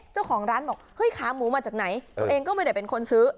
เจ้าของร้านบอกเฮ้ยขาหมูมาจากไหนตัวเองก็ไม่ได้เป็นคนซื้อ